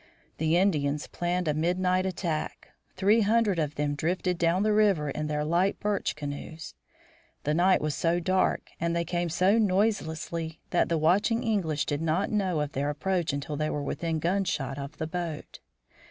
The Indians planned a midnight attack. Three hundred of them drifted down the river in their light birch canoes. The night was so dark and they came so noiselessly that the watching English did not know of their approach until they were within gunshot of the boat.